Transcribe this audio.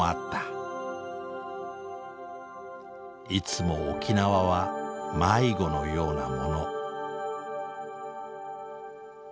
いつも沖縄は迷子のようなもの。